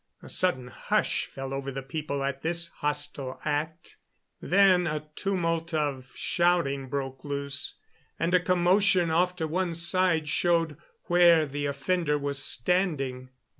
A sudden hush fell over the people at this hostile act; then a tumult of shouting broke loose, and a commotion off to one side showed where the offender was standing.